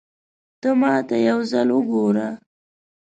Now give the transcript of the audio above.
ته ماته يو ځل وګوره